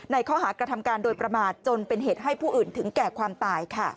ข้อหากระทำการโดยประมาทจนเป็นเหตุให้ผู้อื่นถึงแก่ความตาย